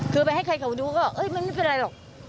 คือไปให้ใครเขาดูก็มันไม่เป็นไรหรอก